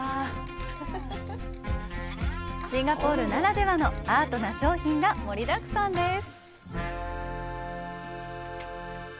シンガポールならではのアートな商品が盛りだくさんです。